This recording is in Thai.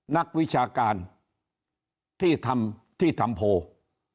นักวิชาการที่ทำโพว่า